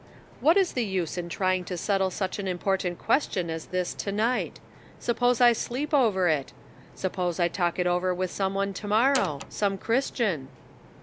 "What is the use in trying to settle such an important question as this to night? Suppose I sleep over it? Suppose I talk it over with some one to morrow ? Some Christian